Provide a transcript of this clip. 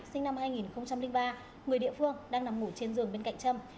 sinh năm hai nghìn ba người địa phương đang nằm ngủ trên giường bên cạnh châm